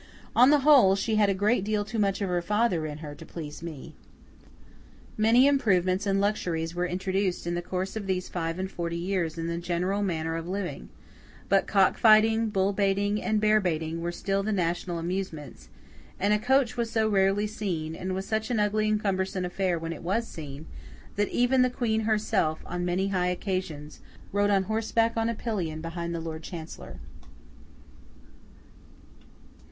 On the whole, she had a great deal too much of her father in her, to please me. Many improvements and luxuries were introduced in the course of these five and forty years in the general manner of living; but cock fighting, bull baiting, and bear baiting, were still the national amusements; and a coach was so rarely seen, and was such an ugly and cumbersome affair when it was seen, that even the Queen herself, on many high occasions, rode on horseback on a pillion behind the Lord Chancellor.